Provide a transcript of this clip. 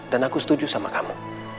dan aku setuju sama kamu